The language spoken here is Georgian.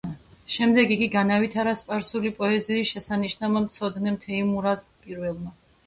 შემდეგ იგი განავითარა სპარსული პოეზიის შესანიშნავმა მცოდნემ თეიმურაზ პირველმა.